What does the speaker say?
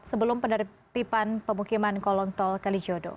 sebelum penertiban pemukiman kolong tol kalijodo